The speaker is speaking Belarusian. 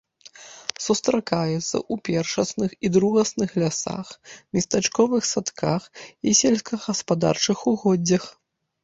Сустракаецца ў першасных і другасных лясах, местачковых садках і сельскагаспадарчых угоддзях.